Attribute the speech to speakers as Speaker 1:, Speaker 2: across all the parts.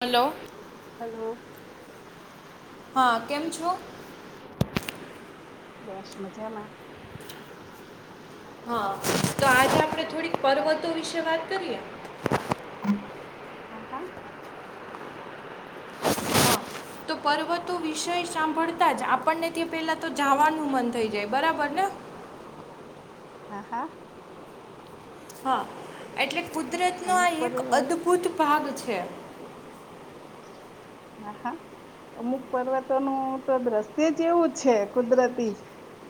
Speaker 1: હાલો
Speaker 2: hello
Speaker 1: હા કેમ છો?
Speaker 2: બસ મજામાં
Speaker 1: હા તો આજે આપડ થોડીક પર્વતો વિશે વાત કરીએ
Speaker 2: હા હા.
Speaker 1: હા તો પર્વતો વિષય સાંભળતા જ આપણને તે પેલા તો જવાનું મન થઈ જાય બરાબર, ને
Speaker 2: હા હા
Speaker 1: હા. એટલે કુદરત નો
Speaker 2: અમુક
Speaker 1: આ એક
Speaker 2: પર્વત
Speaker 1: અદભુત ભાગ છે. છે.
Speaker 2: હા હા અમુક પર્વતોનું તો દ્રશ્ય જ એવું છે કુદરતી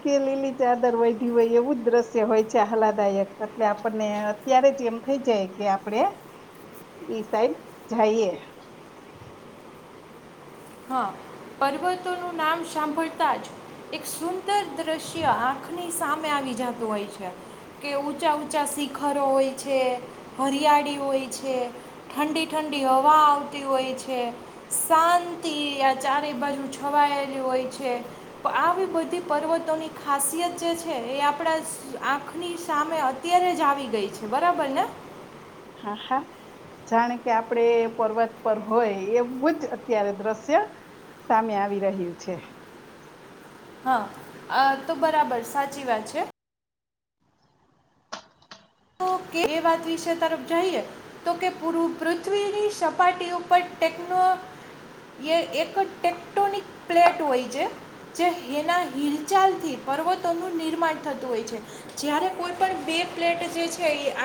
Speaker 2: કે લીલી ચાદર વયઢી વય એવું જ દ્રશ્ય હોય છે આલાદાયક એટલે આપણને અત્યારે જ એમ થઈ જાય કે આપણેે ઈ સાઈડ જઈએ
Speaker 1: હા, પર્વતોનું નામ સાંભળતા જ એક સુંદર દ્રશ્ય આંખની સામે આવી જતું હોય છે, કે ઊંચા ઊંચા શિખરો હોય છે હરિયાળી હોય છે, ઠંડી ઠંડી હવા આવતી હોય છે શાંત આ ચારે બાજુ છવાયેલી હોય છે આવી બધી પર્વતોની ખાસિયત જે છે એ આપણા આંખની સામે અત્યારે જ આવી ગઈ છે બરાબર ને
Speaker 2: હા હા જાણે કે આપડે પર્વત પર હોય એવું જ અત્યારે દ્રશ્ય સામે આવી રહ્યું છે
Speaker 1: હા તો બરાબર સાચી વાત છે. વાત વિશે તરફ જઈએ તો કે પૃથ્વીની સપાટી ઉપર ટેકનો એક ટેક્ટોનિક પ્લેટ હોય છે જે એના હિલચાલ થી પર્વતોનું નિર્માણ થતું હોય છે જારે કોઈ પણ બે પ્લેટ જે છે આ.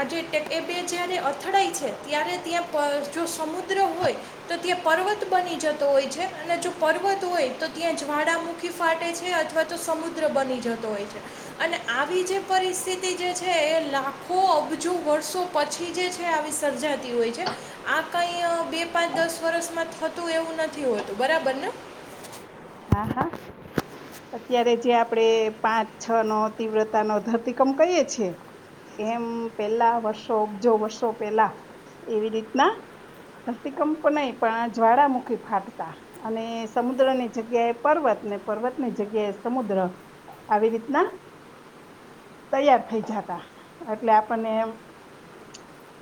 Speaker 1: આજે એ બે જ્યારે અથડાઈ છે ત્યારે ત્યાં જો સમુદ્ર હોય તો ત્યાં પર્વત બની જતો હોય છે અને જો પર્વત હોય તો ત્યાં જ્વાળામુખી ફાટે છે અથવા તો સમુદ્ર બની જતો હોય છે અને આવી જે પરિસ્થિતિ જે છે એ લાખો હ અબજુ વર્ષો પછી જે છે આવી વિસર્જાતી હોય છે, આ કઈ બે પાંચ દસ વર્ષમાં થતું એવું નથી હોતું બરાબર ને
Speaker 2: હા હા, અત્યારે જે આપડણે પાંચ છ નો તીવ્રતા નો ધરતીકંપ કહીએ છીએ એમ પેલા વર્ષો ઓગજો વર્ષો પેલા એવી રીતના ધરતીકંપ પણ નહી પણ જ્વાળામુખી ફાટતા અને સમુદ્રની જગ્યા એ પર્વત ને પર્વત ની જગ્યાએ સમુદ્ર આવી રીતના તૈયાર થઈ જાતા એટલે આપણને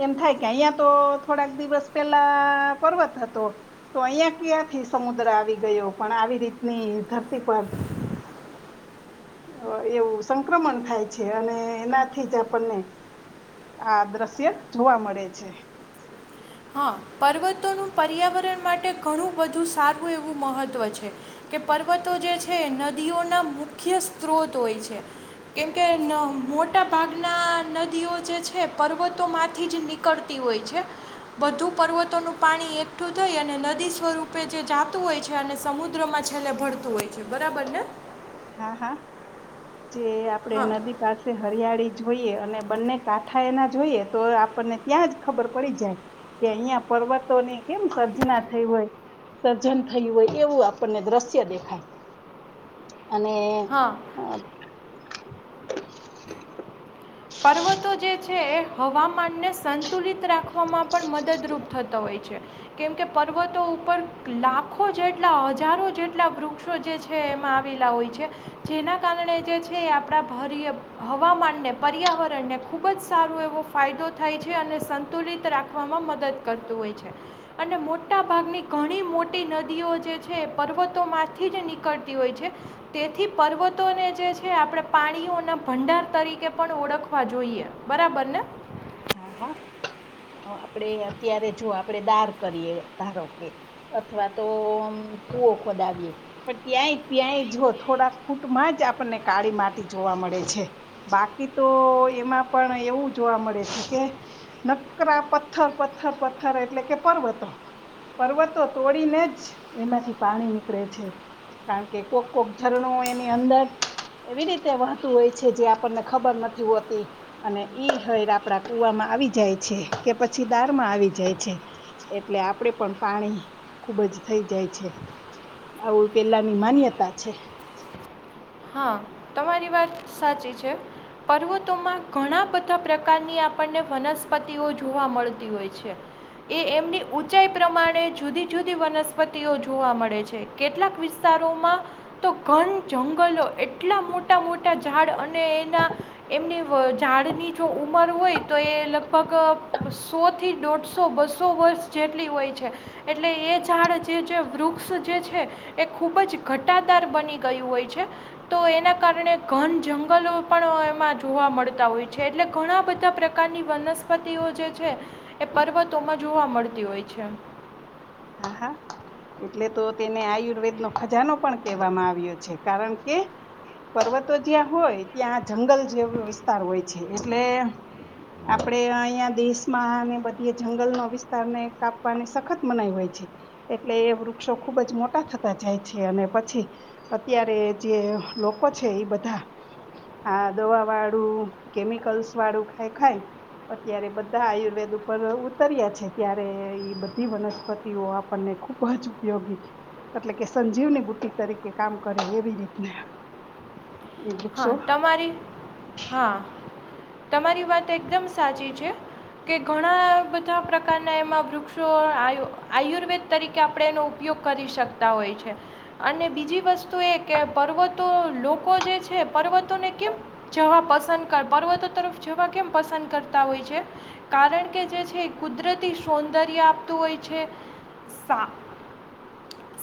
Speaker 2: એમ થાય કે અહં તો થોડાક દિવસ પેલા પર્વત હતો તો અહિયાં ક્યાંથી સમુદ્ર આવી ગયો પણ આવી રીતની ધરતી પર એવું સંક્રમણ થાય છે અને એનાથી જ આપણને આ દ્રશ્ય જોવા મળે છે
Speaker 1: હા, પર્વતોનું પર્યાવરણ માટે ઘણું બધું સારું એવું મહત્ત્વ છે કે પર્વતો જે છે, એ નદીઓના મુખ્ય સ્ત્રોત હોય છે કેમકે મોટા ભાગના નદીઓ જે છે પર્વતોમાંથી જ નીકળતી હોય છે. બધું પર્વતોનું પાણી એકઠું થઈ અને નદી સ્વરૂપે જે જાતું હોય છે અને સમુદ્રમાં છેલ્લે ભરતું હોય છે બરાબર ને
Speaker 2: હા હા. જે આપડે
Speaker 1: હા
Speaker 2: નદી પાસે હરિયાળી જોઈએ અને બંને કાંઠા એના જોઈએ તો આપણને ત્યાં જ ખબર પડી જાય કે અહિયાં પર્વતોની કેમ સર્જના થઈ હોય સર્જન થયું હોય એવું આપણને દ્રશ્ય દેખાય. અને.
Speaker 1: હા
Speaker 2: આ [inaudible]
Speaker 1: પર્વતો જે છે એ હવામાનને સંતુલિત રાખવામાં પણ મદદરૂપ થતો હોય છે. કેમકે પર્વતો ઉપર લાખો જેટલા હજારો જેટલા વૃક્ષો જે છે એમાં આવેલા હોય છે જેના કારણે જે છે એ આપણા ભરીએ હવામાનને પર્યાવરણને ખૂબ જ સારો એવો ફાયદો થાય છે અને સંતુલિત રાખવામાં મદદ કરતું હોય છે અને મોટાભાગની ઘણી મોટી નદીઓ જે છે એ પર્વતોમાંથી જ નીકળતી હોય છે તેથી પર્વતોને જે છે આપણે પાણીઓના ભંડાર તરીકે પણ ઓળખવા જોઈએ બરાબર ને.
Speaker 2: હા હા આપડે અત્યારે જો આપણેે દાર કરીએ ધારો કે અથવા તો કુઓ ખોદાવીએ પણ ત્યાંય ત્યાંય જો થોડાક ફૂટમાં જ આપણને કાળી માટી જોવા મળે છે બાકી તો એમાં પણ એવું જોવા મળે છે. કે નકરા પથ્થર પથ્થર પથ્થર એટલે કે પર્વતો પર્વતો તોડીને જ એમાંથી પાણી નીકળે છે કારણ કે કોક કોક ઝરણો એની અંદર એવી રીતે વહતું હોય છે જે આપણને ખબર નથી હોતી અને ઈ હ આપડા કુવામાં આવી જાય છે કે પછી દારમાં આવી જાય છે એટલે આપડે પણ પાણી ખુબ જ થઈ જાય છે આવું પેલાની માન્યતા છે.
Speaker 1: હા તમારી વાત સાચી છે પર્વતોમાં ઘણા બધા પ્રકારની આપણને વનસ્પતિઓ જોવા મળતી હોય છે એ એમની ઊંચાઈ પ્રમાણે જુદી જુદી વનસ્પતિઓ જોવા મળે છે કેટલાક વિસ્તારોમાં તો ઘન જંગલો એક. એટલા મોટા મોટા ઝાડ અને એના એમની વ ઝાડની જો ઉંમર હોય તો એગ લગભગ સો થી દોઢ સો બસો વર્ષ જેટલી હોય છે એટલે એ ઝાડ જે જે વૃક્ષ જે છે એ ખૂબ જ ઘટાદાર બની ગયું હોય છે. તો એના કારણે ઘન જંગલો પણ એમાં જોવા મળતા હોય છે એટલે ઘણા બધા પ્રકારની વનસ્પતિઓ જે છે એ પર્વતોમાં જોવા મળતી હોય છે.
Speaker 2: હા હા એટલે તો તેને આયુર્વેદ નો ખજાનો પણ કેહેવામાં આવ્યો છે કારણ કે પર્વતો જ્યાં હોય ત્યાં જંગલ જેવો વિસ્તાર હોય છે એટલે આપડે અહંયા દેશમાં બધી જંગલનો વિસ્તારને કાપવાને સખત મનાઈ હોય છે. છે એટલે એ વૃક્ષો ખુબ જ મોટા થતા જાય છે અને પછી અત્યારે જે લોકો છે એ બધા આ દવા વાળું કેમિકલ્સ વાળું ખાય ખાય અત્યારે બધા આયુર્વેદ ઉપર ઉતર્યા છે ત્યારે ઈ બધી વનસ્પતિ તેવો આપણને ખૂબ જ ઉપયોગીછે એટલે કે સંજીવની બુદ્ધિ તરીકે કામ કરે એવી રીતના. એ
Speaker 1: હા
Speaker 2: વૃક્ષો
Speaker 1: તમારી હા. તમારી વાત એકદમ સાચી છે કે ઘણા બધા પ્રકારના એમાં વૃક્ષો આયુ આયુર્વેદ તરીકે આપણે એનો ઉપયોગ કરી શકતા હોય છે અને બીજી વસ્તુ એ કે પર્વતો લોકો જે છે પર્વતોને કેમ જવા પસંદ કર પર્વતો તરફ જવા કેમ પસંદ કરતા હોય છે કારણ કે જે છે કુદરતી સૌંદર્ય આપતું હોય છે.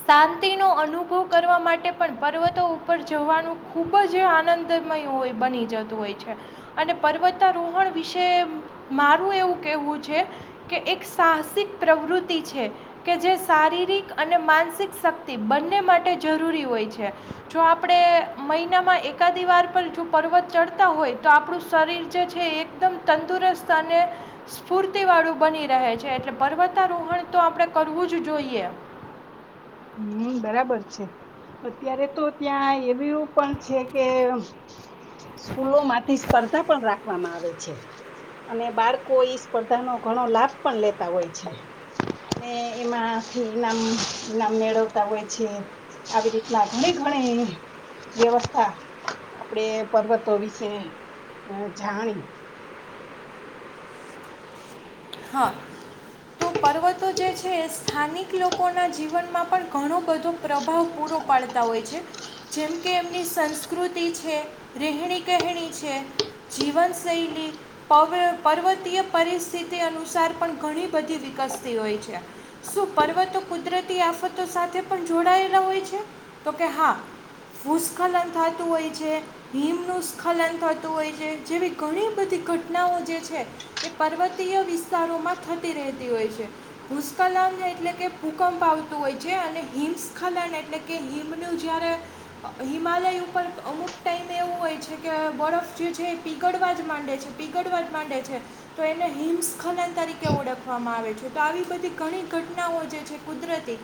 Speaker 1: શાંતિનો અનુભવ કરવા માટે પણ પર્વતો ઉપર જવાનું ખૂબ જ આનંદમય હોય બની જતું હોય છે અને પર્વતારોહણ વિશે મારું એવું કહેવું છે કે એક સાહસિક પ્રવૃત્તિ છે કે જે શારીરિક અને માનસ માસિક શક્તિ બંને માટે જરૂરી હોય છે જો આપણે મહિનામાં એકા દી વાર પર જો પર્વત ચડતા હોય તો આપણું શરીર જે છે એકદમ તંદુરસ્ત અને સ્ફૂર્તિ વાળું બની રહે છે એટલે પર્વતારોહણ તો આપણે કરવું જ જોઈએ.
Speaker 2: હમ બરાબર છે અત્યારે તો ત્યાં એવીયુ પણ છે કે સ્કૂલો માંથી સ્પર્ધા પણ રાખવામાં આવે છે અને બાળકોઈ સ્પર્ધા નો ઘણો લાભ પણ લેતા હોય છે અને એમાંથી ઈનામ ઈનામ મેળવતા હોય છે આવી રીતના ઘણી ઘણી વ્યવસ્થા આપડે પર્વતો વિશે જાણી.
Speaker 1: હા તો પર્વતો જે છે એ સ્થાનિક લોકોના જીવનમાં પણ ઘણો બધો પ્રભાવ પૂરો પાડતા હોય છે જેમ કે એમની સંસ્કૃતિ છે. રેહણી કહેણી છે. છે જીવન શૈલી પર્વતીય પરિસ્થિતિ તે અનુસાર પણ ઘણી બધી વિકસતી હોય છે શું પર્વતો કુદરતી આફતો સાથે પણ જોડાયેલા હોય છે તો કે હા ભૂસ્ખલન થતું હોય છે હિમનું સ્ખલન થતું હોય છે જેવી ઘણી બધી ઘટનાઓ જે છે એ પર્વત ભાતીય વિસ્તારોમાં થતી રહેતી હોય છે ભૂસ્ખલન એટલે કે ભૂકંપ આવતું હોય છે અને હિમસ્ખલન એટલે કે હિમનું જય્યારે હિમાલય ઉપર અમુક ટાઈમ એવું હોય છે કે બરફ જે છે એ પીગળવા જ માંડે છે પીગળવા જ માંડે છે તો એને હિમસ્ખલન તરીકે ઓળખવામાં આવે છે તો આવી બધી ઘણી ઘટનાઓ જે છે કુદરતી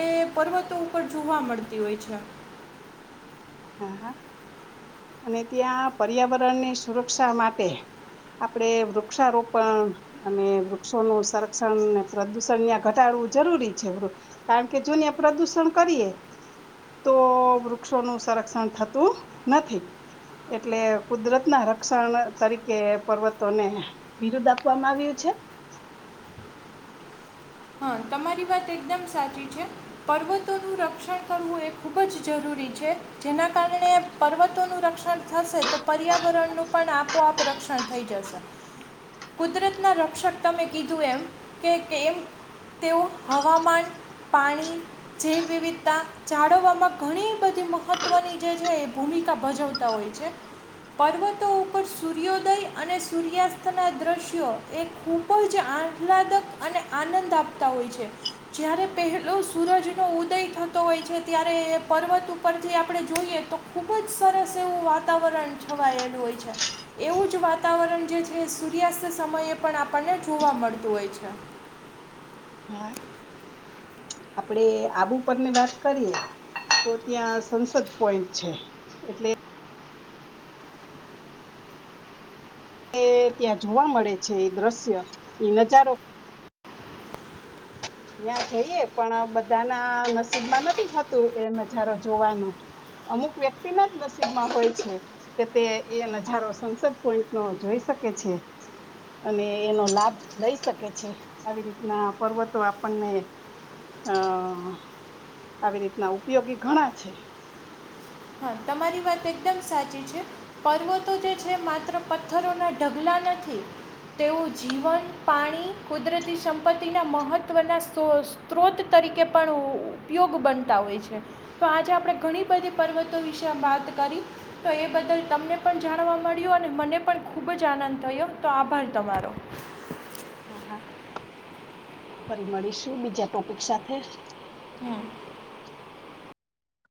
Speaker 1: એ પર્વતો ઉપર જોવા મળતી હોય છે.
Speaker 2: હા હા અને ત્યાં પર્યાવરણની સુરક્ષા માટે આપડે વૃક્ષારોપણ અને વૃક્ષોનું સંરક્ષણ પ્રદુષણ ત્યાં ઘટાડવું જરૂરી છે કારણ કે જો ત્યાં પ્રદુષણ કરીએ તો વૃક્ષોનું સંરક્ષણ થતું નથી એટલે કુદરત ના રક્ષણ તરીકે પર્વતોને વિરુદ્ધ આપવામાં આવ્યું છે.
Speaker 1: હા તમારી વાત એકદમ સાચી છે પર્વતોનું રક્ષણ કરવું એ ખૂબ જ જરૂરી છે જેના કારણે પર્વતોનું રક્ષણ થશે તો પર્યાવરણનું પણ આપોઆપ રક્ષણ થઈ જશે કુદરતના રક્ષક તમે કીધું એમ કે એમ તેઓ હવામાન પાણી જૈવ વિવિધતા જાળવવામાં ઘણી બધી મહત્ત્વની જે છે એ ભૂમિકા ભજવતા હોય છે પર્વતો ઉપર સૂર્યોદય અને સૂર્યાસ્તના દ્રશ્યો એ ખૂબ જ આહલાદક અને આનંદ આપ હો જ્યારે પહેલો સૂરજનો ઉદય થતો હોય છે ત્યારે પર્વત ઉપર જે આપણે જોઈએ તો ખુબ જ સરસ એવું વાતાવરણ છવાયેલું હોય છે એવું જ વાતાવરણ જે છે સૂર્યાસ્ત સમયે પણ આપણને જોવા મળતું હોય છે.
Speaker 2: હા આપડે આબુ પરની વાત કરીએ તો ત્યાં સંસદ પોઈન્ટ છે એટલે એ ત્યાં જોવા મળે છે એ દ્રશ્ય એ નજારો ત્યાં જઈએ પણ બધાના નસીબમાં નથી હોતું એ નજારો જોવાનો અમુક વ્યક્તિ ના જ નસીબમાં હોય છે કે તે એ નજારો સંસદ પોઈન્ટ નો જોઈ શકે છે અને એનો લાભ લઈ શકે છે આવી રીતના પર્વતો આપણને અહ આવી રીતના ઉપયોગી ઘણા છે
Speaker 1: હા તમારી વાત એકદમ સાચી છે પર્વતો જે છે માત્ર પથ્થરોના ઢગલા નથી તેવું જીવન પાણી કુદરતી સંપત્તિના મહત્ત્વના સ્ત્રોત તરીકે પણ ઉપયોગ બનતા હોય છે તો આજે આપણે ઘણી બધી પર્વતો વિશે વાત કરી તો એ બદલ તમને પણ જાણવા મળ્યું અને મને પણ ખૂબ જ આનંદ થયો તો આભાર તમારો
Speaker 2: હા હા ફરી મળીશું બીજા ટોપિક સાથે
Speaker 1: હમ